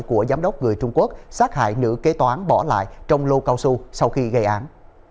của giám đốc người trung quốc sát hại nữ kế toán bỏ lại trong lô cao su sau khi gây án